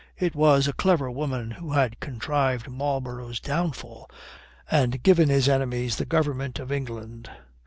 It was a clever woman who had contrived Marlborough's downfall and given his enemies the government of England.